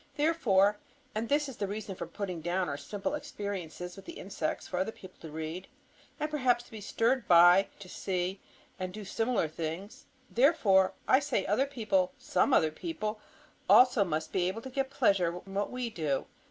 Therefore and this is the reason for putting down our simple experiences with the insects for other people to read and perhaps to be stirred by to see and do similar things therefore, I say, other people, some other people, also must be able to get pleasure from what we do.